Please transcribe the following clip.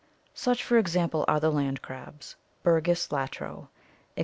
Such, for example, are the land crabs, Birgus latro, etc.